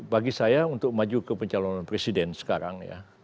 bagi saya untuk maju ke pencalonan presiden sekarang ya